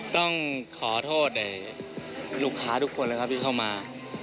ต้องขอโทษลูกค้าทุกคนที่เข้ามา